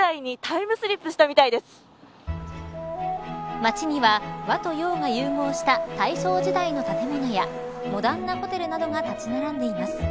街には和と洋が融合した大正時代の建物やモダンなホテルなどが立ち並んでいます。